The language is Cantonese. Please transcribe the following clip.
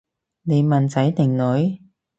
你問仔定女？